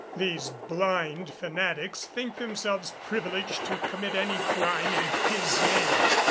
These blind fanatics think themselves privileged to commit any crime in His name.